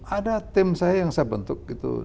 ada tim saya yang saya bentuk gitu